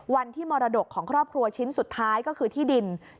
วันที่มรดกของครอบครัวชิ้นสุดท้ายก็คือที่ดิน